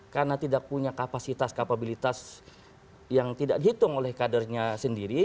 karena tidak punya kapasitas kapabilitas yang tidak dihitung oleh kadernya sendiri